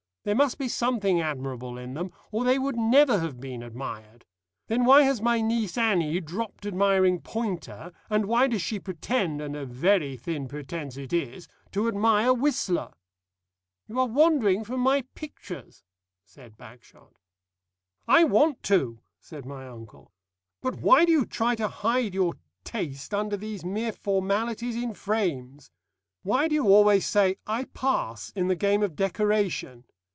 There must be something admirable in them, or they would never have been admired. Then why has my niece Annie dropped admiring Poynter, and why does she pretend and a very thin pretence it is to admire Whistler?" "You are wandering from my pictures," said Bagshot. "I want to," said my uncle. "But why do you try and hide your taste under these mere formalities in frames? Why do you always say 'I pass' in the game of decoration?